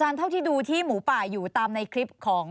สำหรับที่ดูที่หมูป่าอยู่ตามในคลิป